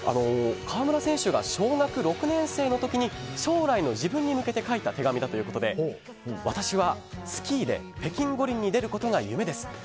川村選手が小学６年生の時に将来の自分に向けて書いた手紙だということで私はスキーで北京五輪に出ることが夢です。